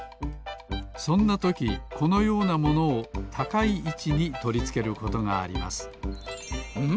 そんなときこのようなものをたかいいちにとりつけることがありますん？